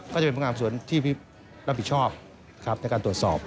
ก็จะเป็นพนักงานสวนที่รับผิดชอบในการตรวจสอบ